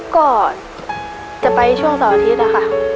ก็จะไปช่วงสวัสดีค่ะ